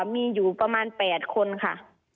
มีอยู่ประมาณ๘คนค่ะ